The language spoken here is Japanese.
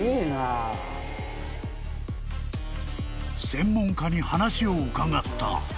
［専門家に話を伺った］